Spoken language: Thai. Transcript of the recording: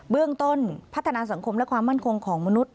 เบื้องต้นพัฒนาสังคมและความมั่นคงของมนุษย